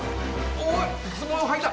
おおズボンをはいた！